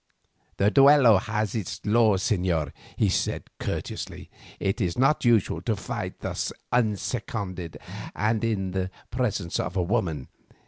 "The duello has its laws, señor," he said courteously. "It is not usual to fight thus unseconded and in the presence of a woman.